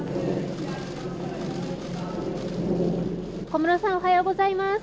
小室さん、おはようございます。